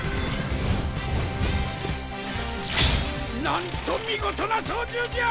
なんと見事な操縦じゃ。